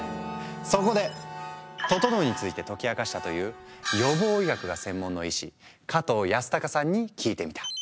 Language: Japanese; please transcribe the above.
そこで「ととのう」について解き明かしたという予防医学が専門の医師加藤容祟さんに聞いてみた。